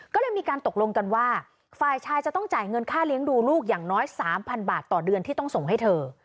ก็เลยมีการตกลงกันว่าฝ่ายชายจะต้องจ่ายเงินค่าเลี้ยงดูลูกอย่างน้อย๓๐๐บาทต่อเดือนที่ต้องส่งให้เธอ